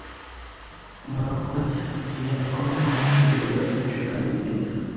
Murakoze igihe mukomeze kutugezaho byinshi kandi byiza